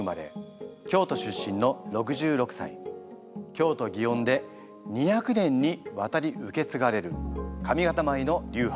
京都・祗園で２００年にわたり受けつがれる上方舞の流派